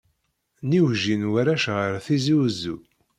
Nniwjin warrac ɣer Tizi Wezzu.